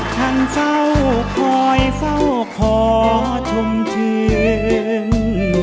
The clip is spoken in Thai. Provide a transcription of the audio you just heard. ท่านเฝ้าคอยเฝ้าขอชมเชือน